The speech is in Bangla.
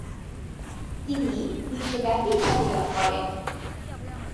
তিনি বিশ্বব্যাপী খ্যাতি লাভ করেন।